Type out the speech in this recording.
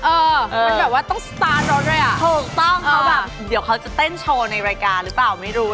เออมันแบบว่าต้องสตาร์ทแล้วเลยอะเขาแบบเดี๋ยวเขาจะเต้นโชว์ในรายการหรือเปล่าไม่รู้